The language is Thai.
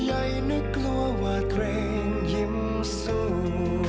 ใยนึกกลัวว่าเกรงยิ้มสู้